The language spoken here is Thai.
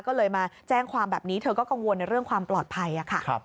ก็เลยมาแจ้งความแบบนี้เธอก็กังวลในเรื่องความปลอดภัยค่ะ